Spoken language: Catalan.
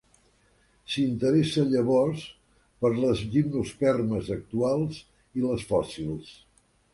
S'interessa llavors per les gimnospermes actuals i les fòssils.